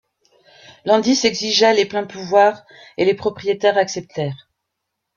Landis exigea les pleins pouvoirs, et les propriétaires acceptèrent.